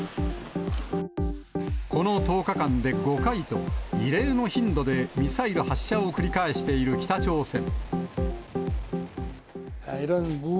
この１０日間で５回と、異例の頻度でミサイル発射を繰り返している北朝鮮。